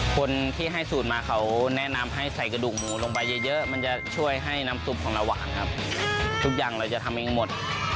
คนที่ให้สูตรมาเขาแนะนำให้ใส่กระดูกหมูลงไปเยอะมันจะช่วยให้น้ำซุปของเราหวานครับทุกอย่างเราจะทำเองหมด